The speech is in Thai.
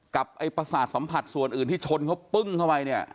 ไอ้ประสาทสัมผัสส่วนอื่นที่ชนเขาปึ้งเข้าไปเนี่ย